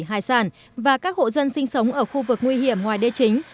hải sản và các hộ dân sinh sống ở khu vực nguy hiểm ngoài đê chính